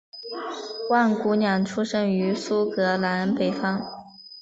万姑娘出生于苏格兰北方。